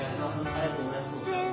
ありがとうございます。